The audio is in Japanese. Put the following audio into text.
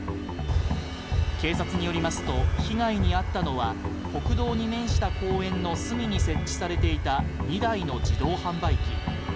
警察によりますと、被害に遭ったのは国道に面した公園の隅に設置されていた２台の自動販売機。